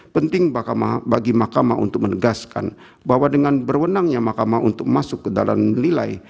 penting bagi mahkamah untuk menegaskan bahwa dengan berwenangnya mahkamah untuk masuk ke dalam nilai